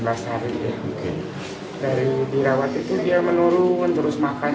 dari dirawat itu dia menurun terus makan